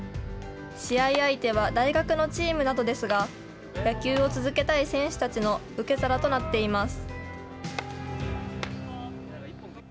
試合相手は大学のチームなどですが、野球を続けたい選手たちの受け皿となっています。